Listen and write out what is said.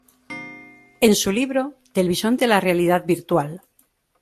En su libro: Del Bisonte a la Realidad virtual.